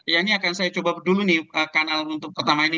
ini akan saya coba dulu nih kanal untuk pertama ini